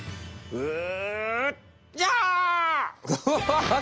うん。